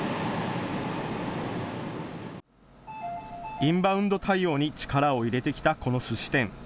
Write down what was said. インバウンド対応に力を入れてきた、このすし店。